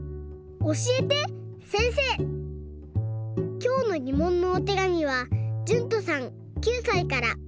きょうのぎもんのおてがみはじゅんとさん９さいから。